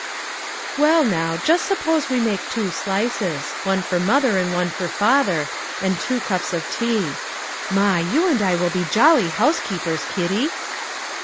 "Well, now, just suppose we make two slices, one for mother, and one for father, and two cups of tea. My! you and I will be jolly housekeepers, Kitty."